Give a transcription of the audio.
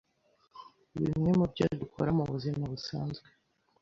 Bimwe mu byo dukora mu buzima busanzwe